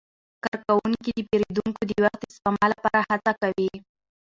کارکوونکي د پیرودونکو د وخت د سپما لپاره هڅه کوي.